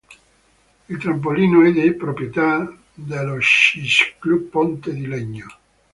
Il trampolino è di proprietà dello Sci Club Ponte di Legno.